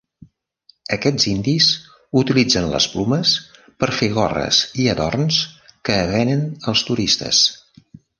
Aquests indis utilitzen les plomes per fer gorres i adorns que venen als turistes.